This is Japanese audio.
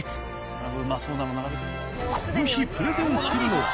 この日プレゼンするのは。